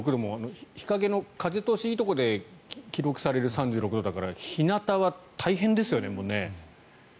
３６度も日陰の風通しのいいところで記録される３６度だから日なたは大変ですよね。